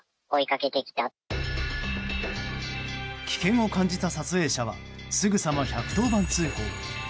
危険を感じた撮影者はすぐさま１１０番通報。